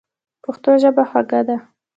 پښتو ژبه خوږه ده.